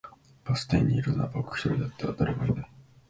バス停にいるのは僕一人だった、誰もいない